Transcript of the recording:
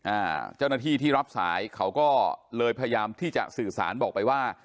เจ้าหน้าที่ที่รับสายเขาก็เลยพยายามที่จะสื่อสารบอกไปว่า